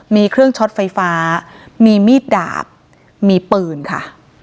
มีเครื่องช็อตไฟฟ้ามีมีดดาบมีปืนค่ะ